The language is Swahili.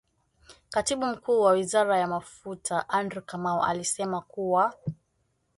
Katibu Mkuu wa Wizara ya Mafuta Andrew Kamau alisema kuwa.